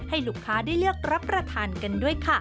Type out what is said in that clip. ให้ลูกค้าได้เลือกรับประทานกันด้วยค่ะ